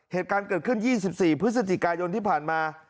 เหตุการณ์เกิดขึ้น๒๔พฤศจิกายนที่ผ่านมา